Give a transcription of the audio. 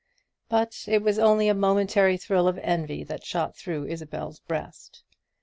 But it was only a momentary thrill of envy that shot through Isabel's breast.